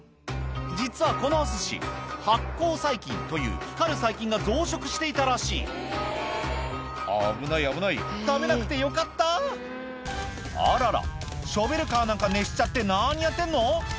実はこのお寿司発光細菌という光る細菌が増殖していたらしい危ない危ない食べなくてよかったあららショベルカーなんか熱しちゃって何やってんの？